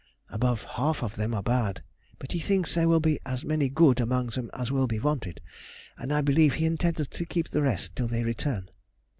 Above half of them are bad, but he thinks there will be as many good among them as will be wanted, and I believe he intends to keep the rest till they return.